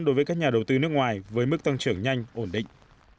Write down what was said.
đối với các nhà đầu tư nước ngoài với mức tăng trưởng nhanh ổn định